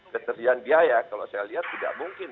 ketersediaan biaya kalau saya lihat tidak mungkin